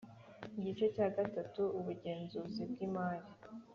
Igice cya gatatu Ubugenzuzi bw imari